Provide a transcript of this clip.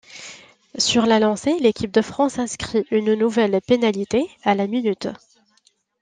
Sur la lancée, l'équipe de France inscrit une nouvelle pénalité à la minute.